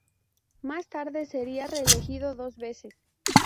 Más tarde sería reelegido dos veces.